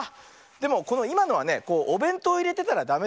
でもこのいまのはねおべんとういれてたらダメだね。